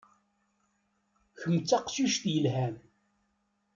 Kemm d taqcict yelhan.